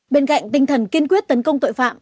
bên cạnh tinh thần kiên quyết tấn công tội phạm